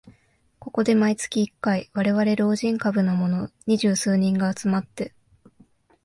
ここで毎月一回、われわれ老人株のもの二十数人が集まって